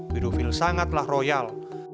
pedofil sangatlah royal